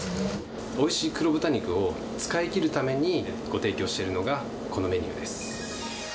おいしい黒豚肉を使い切るためにご提供しているのがこのメニューです。